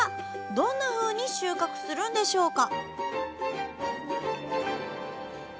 どんなふうに収穫するんでしょうか